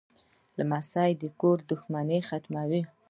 لمسی د کور دښمنۍ ختموي.